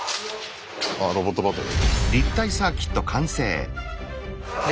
ああロボットバトル。